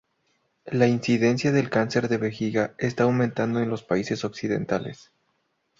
La incidencia del cáncer de vejiga está aumentando en los países occidentales.